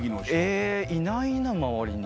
えいないな周りに。